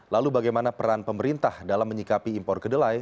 lalu bagaimana peran pemerintah dalam menyikapi impor kedelai